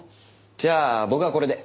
じゃあ僕はこれで。